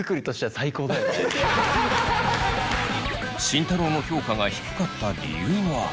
慎太郎の評価が低かった理由は。